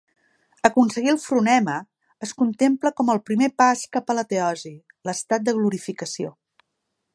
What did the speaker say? Aconseguir el "fronema" es contempla com el primer pas cap a la "teosi", l'estat de "glorificació".